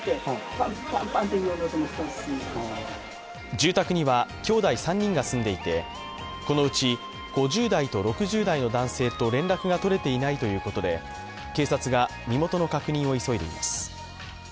住宅には兄弟３人が住んでいてこのうち５０代と６０代の男性と連絡が取れていないということで、警察が身元の確認を急いでいます。